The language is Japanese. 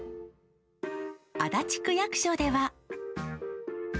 足立区役所では。